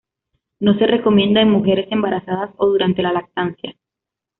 No se recomienda en mujeres embarazadas o durante la lactancia